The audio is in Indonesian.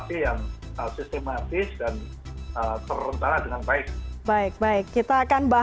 tidak bisa kita jelajah